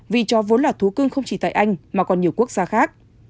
vì chó vốn là thú cương không chỉ tại anh mà còn nhiều quốc gia khác